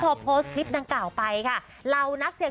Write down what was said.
ติ้งพอโพสต์คลิปดังกล่าวไปค่ะ